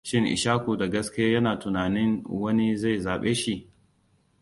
Shin Ishaku da gaske yana tunanin wani zai zabe shi?